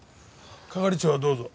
係長はどうぞ。